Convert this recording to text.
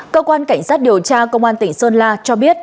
cơ quan cảnh sát điều tra công an tỉnh sơn la cho biết